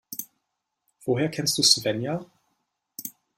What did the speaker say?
Woher kennst du Svenja?